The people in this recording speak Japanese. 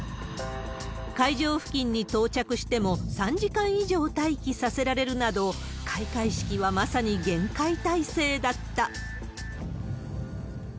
会場付近に到着しても、３時間以上待機させられるなど、開会式はまさに厳戒態勢だった。